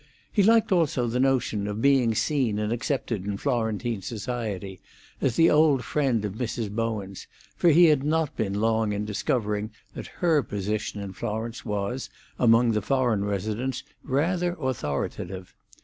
He liked also the notion of being seen and accepted in Florentine society as the old friend of Mrs. Bowen's, for he had not been long in discovering that her position in Florence was, among the foreign residents, rather authoritative.